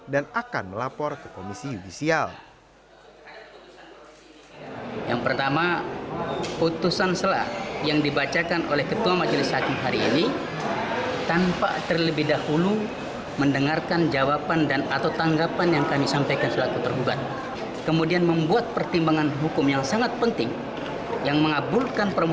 dan akan melapor ke komisi judisial